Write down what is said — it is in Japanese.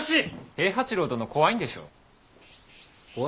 平八郎殿怖いんでしょ。